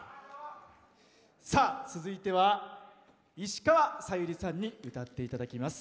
続いては石川さゆりさんに歌っていただきます。